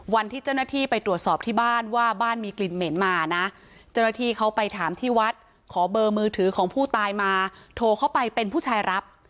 วันที่เจ้าหน้าที่ไปตรวจสอบที่บ้านว่าบ้านมีกลิ่นเหม็นมานะเจ้าหน้าที่เขาไปถามที่วัดขอเบอร์มือถือของผู้ตายมาโทรเข้าไปเป็นผู้ชายรับ